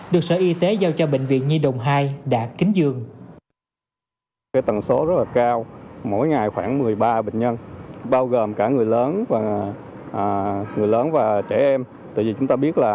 được sở y tế giao cho bệnh viện nhi động hai đã kính dường